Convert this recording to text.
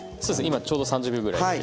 今ちょうど３０秒ぐらいです。